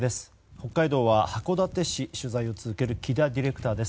北海道は函館市で取材を続ける木田ディレクターです。